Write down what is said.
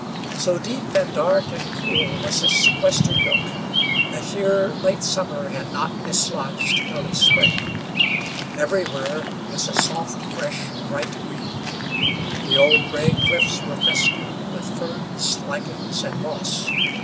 So deep and dark and cool was this sequestered nook that here late summer had not dislodged early spring. Everywhere was a soft, fresh, bright green. The old gray cliffs were festooned with ferns, lichens and moss.